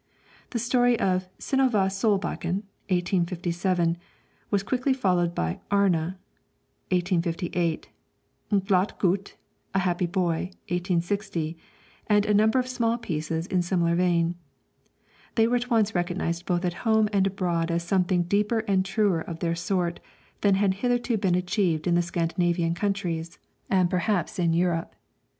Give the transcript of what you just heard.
The story of 'Synnöve Solbakken' (1857) was quickly followed by 'Arne' (1858), 'En Glad Gut' (A Happy Boy: 1860), and a number of small pieces in similar vein. They were at once recognized both at home and abroad as something deeper and truer of their sort than had hitherto been achieved in the Scandinavian countries, and perhaps in Europe.